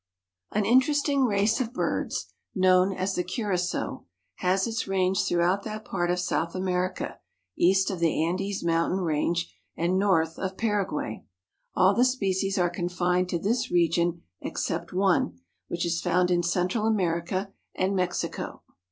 An interesting race of birds, known as the Curassows, has its range throughout that part of South America, east of the Andes Mountain range and north of Paraguay. All the species are confined to this region except one, which is found in Central America and Mexico.